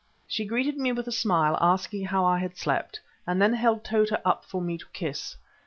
She greeted me with a smile, asking how I had slept, and then held Tota up for me to kiss.